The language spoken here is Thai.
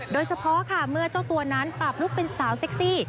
โดยเฉพาะค่ะเมื่อเจ้าตัวนั้นปรับลูกเป็นสาวเซ็กซี่